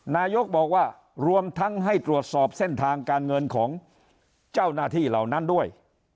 นายกบอกว่ารวมทั้งให้ตรวจสอบเส้นทางการเงินของเจ้าหน้าที่เหล่านั้นด้วย